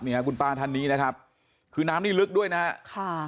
คุณป้าท่านนี้นะครับคือน้ำนี่ลึกด้วยนะฮะค่ะ